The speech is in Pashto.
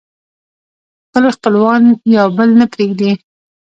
خپل خپلوان يو بل نه پرېږدي